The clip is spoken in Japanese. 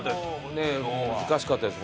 難しかったです